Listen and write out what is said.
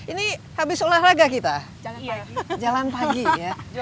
ini habis olahraga kita jalan pagi ya